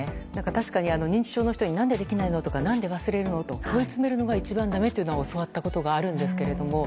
確かに認知症の人に何でできないのとか何で忘れるのと問い詰めるのが一番だめというのは教わったことがあるんですけども。